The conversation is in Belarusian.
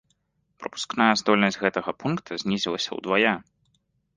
Прапускная здольнасць гэтага пункта знізілася ўдвая.